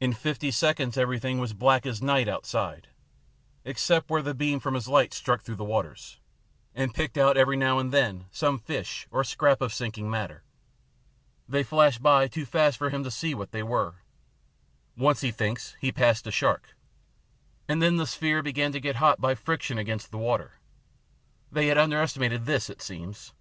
In fifty seconds everything was as black as night outside, except where the beam from his light struck through the waters, and picked out every now and then some fish or scrap of sinking matter. They flashed by too fast for him to see what they were. Once he thinks he passed a shark. And then the sphere began to get hot by friction against the water. They had underestimated this, it seems.